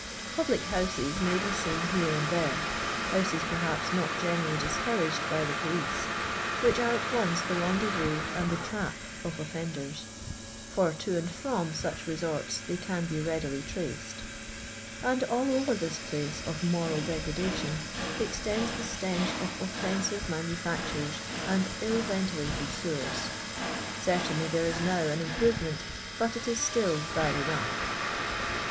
Public houses may i2i LONDON LABOUR AND THE LONDOX POOR. be lecn here and there — hoasef, perhapi, not greatly discouraged by the police — which arc at once the rendezvous and the trap of olTundert, for to and from such resorts they can be n*adily traced. And all over this place of moral degradation extends the stench of offensive manufactures and ill venti lated sewers. CerUinly there is now an improve ment, but it is still bad enough.